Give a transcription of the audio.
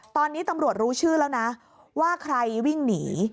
ตอนนี้ตำรวจรู้ชื่อแล้วนะว่าใครวิ่งหนี